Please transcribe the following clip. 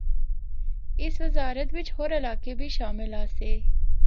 اس وزارت بچ ہور علاقے بھی شامل آسے۔